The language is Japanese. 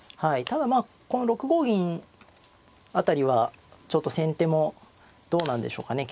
ただまあこの６五銀辺りはちょっと先手もどうなんでしょうかね。